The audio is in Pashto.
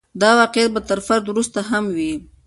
دا واقعیت به تر فرد وروسته هم وي.